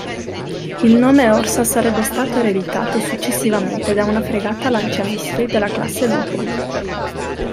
Il nome "Orsa" sarebbe stato ereditato successivamente da una fregata lanciamissili della Classe Lupo.